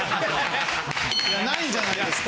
・ないんじゃないですか？